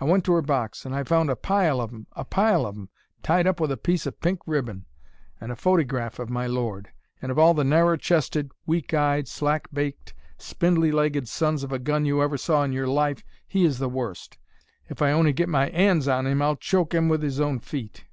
'I went to 'er box and I found a pile of 'em a pile of 'em tied up with a piece o' pink ribbon. And a photygraph of my lord. And of all the narrer chested, weak eyed, slack baked, spindly legged sons of a gun you ever saw in your life, he is the worst. If I on'y get my 'ands on him I'll choke 'im with his own feet.'